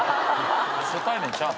初対面ちゃうん？